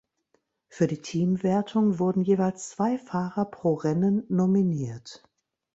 Für die Teamwertung wurden jeweils zwei Fahrer pro Rennen nominiert.